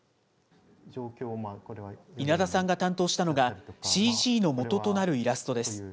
稲田さんが担当したのが、ＣＧの基となるイラストです。